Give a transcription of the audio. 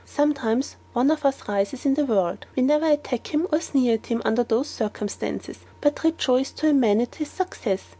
Sometimes one of us rises in the world: we never attack him or sneer at him under those circumstances, but rejoice to a man at his success.